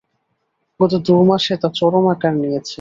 গত দু মাসে তা চরম আকার নিয়েছে।